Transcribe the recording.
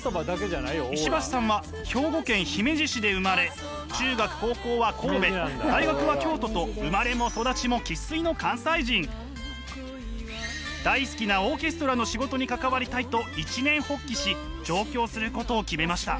石橋さんは兵庫県姫路市で生まれ中学高校は神戸大学は京都と生まれも育ちも大好きなオーケストラの仕事に関わりたいと一念発起し上京することを決めました。